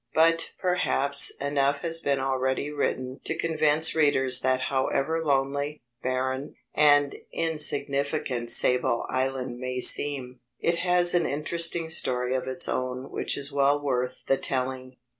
But perhaps enough has been already written to convince readers that however lonely, barren, and insignificant Sable Island may seem, it has an interesting story of its own which is well worth the telling.